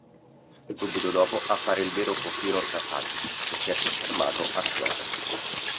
Subito dopo appare il vero Kojiro Sasaki che si è soffermato a Kyoto.